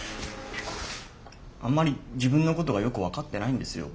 あんまり自分のことがよく分かってないんですよ